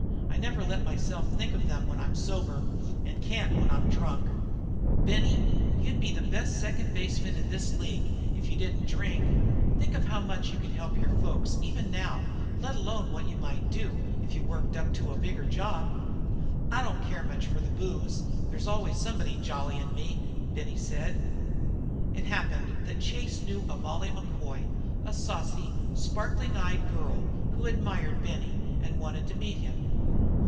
I never let myself think of them when I'm sober, an' can't when I'm drunk." "Benny, you'd be the best second baseman in this league if you didn't drink. Think how much you could help your folks, even now, let alone what you might do if you worked up to a bigger job." "I don't care so much for the booze. There's always somebody jollyin' me," said Benny. It happened that Chase knew a Molly McCoy, a saucy, sparkling eyed girl, who admired Benny and wanted to meet him.